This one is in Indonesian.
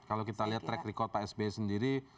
kalau kita lihat track record pak sby sendiri